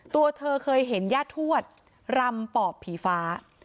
ตัวเธอเคยเห็นย่าทวดรำปอบผีฟ้า